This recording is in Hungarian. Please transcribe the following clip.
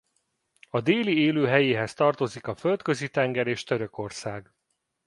A déli élőhelyéhez tartozik a Földközi-tenger és Törökország.